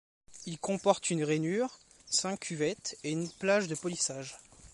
Il comporte une rainure, cinq cuvettes et une plage de polissage.